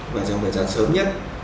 và trong thời gian sớm nhất